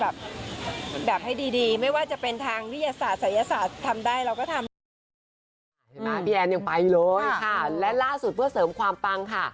เห็นไหมพี่แอนยังไปเลยค่ะและล่าสุดเพื่อเสริมความปังค่ะ